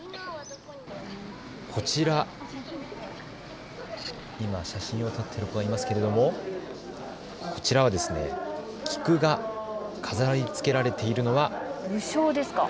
こちら、今、写真を撮っている子がいますけれどもこちら菊が飾りつけられているのは武将ですか。